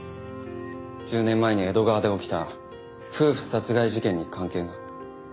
１０年前に江戸川で起きた夫婦殺害事件に関係が？